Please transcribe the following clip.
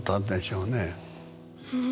うん。